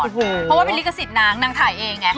เพราะว่าเป็นลิขสิทธิ์นางนางถ่ายเองไง